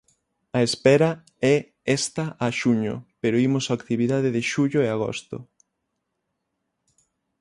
A espera é esta a xuño, pero imos á actividade de xullo e agosto.